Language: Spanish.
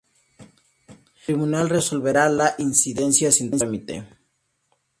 El tribunal resolverá la incidencia sin trámite.